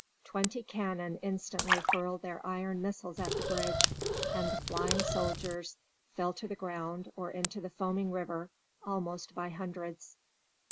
Twenty cannon instantly hurled their iron missiles at the bridge, and the flying soldiers fell to the ground or into the foaming river, almost by hundreds.